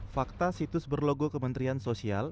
fakta situs berlogo kementerian sosial